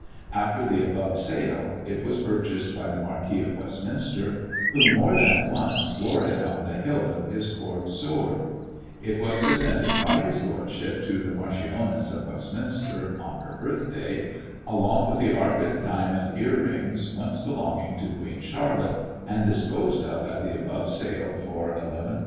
After the above sale, it was purchased by the Marquis of Westminster, who more than once wore it on the hilt of his court sword; it was presented by his lordship to the Marchioness of Westminster, on her birth day, along with the Arcot diamond ear rings, once belonging to Queen Charlotte, and disposed of at the above sale for 11,000l.